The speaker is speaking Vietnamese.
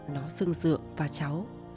nó xưng dựa và cháu